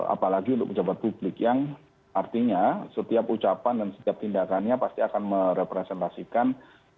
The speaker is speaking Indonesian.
apalagi untuk pejabat publik yang artinya setiap ucapan dan setiap tindakannya pasti akan merepresentasikan